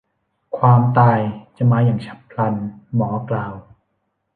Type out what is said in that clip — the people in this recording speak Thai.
ความตายจะมาอย่างฉับพลัน หมอกล่าว